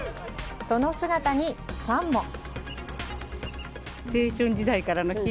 その姿に、ファンも。